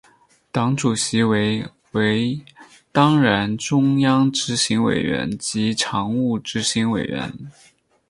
党主席为为当然中央执行委员及常务执行委员。